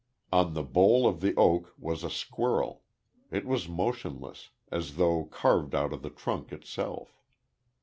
On the bole of the oak was a squirrel. It was motionless, as though carved out of the trunk itself.